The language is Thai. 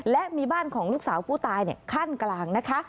และมีบ้านของลูกสาวผู้ตายขั้นกลางนะคะ